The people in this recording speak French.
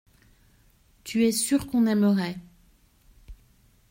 Tu es sûr qu’on aimerait.